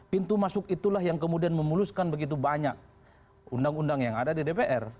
pintu masuk itulah yang kemudian memuluskan begitu banyak undang undang yang ada di dpr